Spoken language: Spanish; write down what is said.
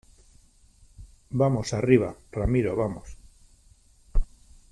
vamos , arriba . ramiro , vamos .